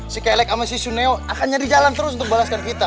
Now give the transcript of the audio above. si kelek sama si suneo akan cari jalan terus untuk balaskan kita